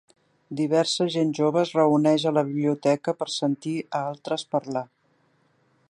Diversa gent jove es reuneix a la biblioteca per sentir a altres parlar.